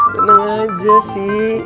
cengang aja sih